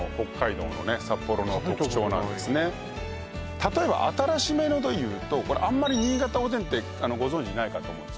例えば新しめので言うとあんまり新潟おでんってご存じないかと思うんです